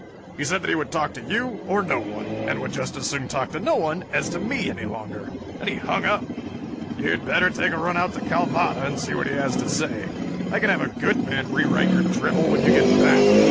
He said that he would talk to you or no one and would just as soon talk to no one as to me any longer. Then he hung up. You'd better take a run out to Calvada and see what he has to say. I can have a good man rewrite your drivel when you get back."